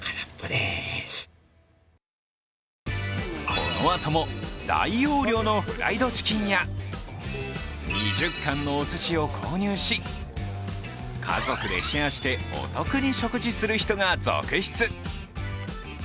このあとも、大容量のフライドチキンや２０貫のおすしを購入し家族でシェアしてお得に食事する人が続出。